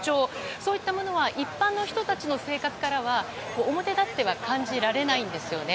そういったものは一般の人たちの生活からは表立っては感じられないんですよね。